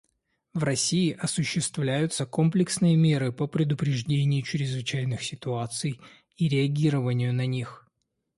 В России осуществляются комплексные меры по предупреждению чрезвычайных ситуаций и реагированию на них.